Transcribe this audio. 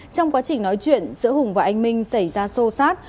trong quá trình nói chuyện giữa hùng và anh minh xảy ra xô xát